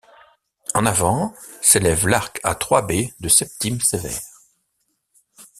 En avant, s'élève l'arc à trois baies de Septime Sévère.